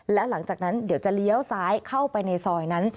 และหลังจากนั้นเดี๋ยวจะเลี้ยวซ้ายเข้าไปในซอยนั้น